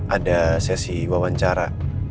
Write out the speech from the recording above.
ada sesi wawancara